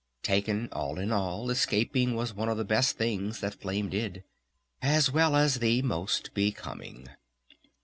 Taken all in all, escaping was one of the best things that Flame did.... As well as the most becoming!